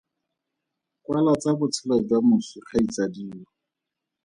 Kwala tsa botshelo jwa moswi kgaitsadio.